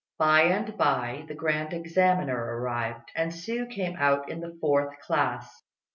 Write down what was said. By and by the Grand Examiner arrived, and Hsiu came out in the fourth class.